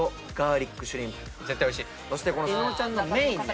そして伊野尾ちゃんのメインね。